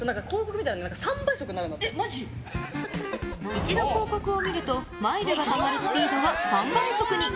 一度広告を見るとマイルがたまるスピードが３倍速に。